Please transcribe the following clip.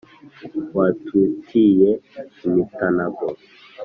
watutiye imitanago ?